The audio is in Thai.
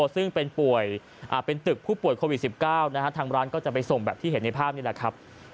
ซึ่งเป็นป่วยเป็นตึกผู้ป่วยโควิด๑๙ทางร้านก็จะไปส่งแบบที่เห็นในภาพนี่แหละครับ